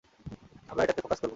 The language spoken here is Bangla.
আমরা এটাতে ফোকাস করব।